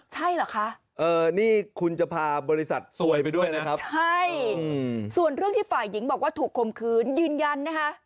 ใช่เหรอคะนี่คุณจะพาบริษัทซวยไปด้วยนะครับใช่ส่วนเรื่องที่ฝ่ายหญิงบอกว่าถูกคมคืนยืนยันนะคะ